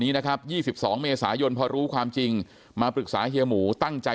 นะครับ๒๒เมษายนพอรู้ความจริงมาปรึกษาเฮียหมูตั้งใจ